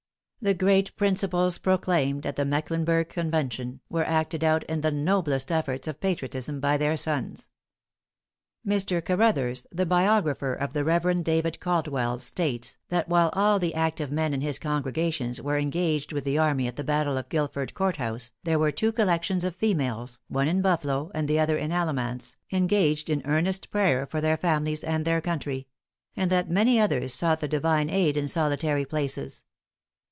The great principles proclaimed at the Mecklenburg Convention, were acted out in the noblest efforts of patriotism by their sons. Mr. Caruthers, the biographer of the Rev. David Caldwell, states, that while all the active men in his congregations were engaged with the army at the battle of Guilford Court house, there were two collections of females, one in Buffalo, and the other in Alamance, engaged in earnest prayer for their families and their country; and that many others sought the divine aid in solitary places.